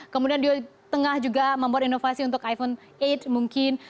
kemudian di tengah juga membuat inovasi untuk iphone delapan mungkin